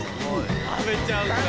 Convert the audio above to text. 食べちゃうんだ。